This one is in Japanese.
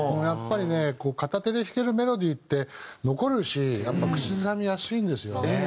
やっぱりね片手で弾けるメロディーって残るしやっぱり口ずさみやすいんですよね。